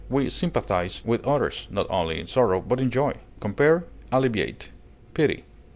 We sympathize with others, not only in sorrow, but in joy. Compare ALLEVIATE; PITY.